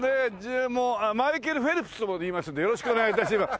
マイケル・フェルプスといいますのでよろしくお願い致します。